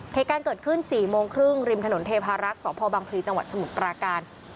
เหตุการณ์เกิดขึ้น๔โมงครึ่งริมถนนเทพารักษ์สพบังพลีจังหวัดสมุทรปราการ